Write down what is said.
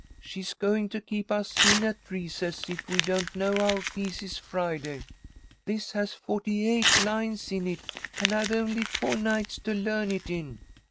She's going to keep us in at recess if we don't know our pieces Friday. This has forty eight lines in it, and I've only four nights to learn it in."